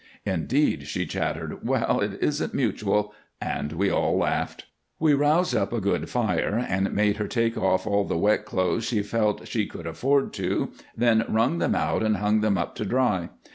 "Indeed!" she chattered. "Well, it isn't mutual " And we all laughed. We roused up a good fire and made her take off all the wet clothes she felt she could afford to, then wrung them out and hung them up to dry.